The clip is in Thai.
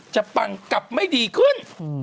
ปังกลับไม่ดีขึ้น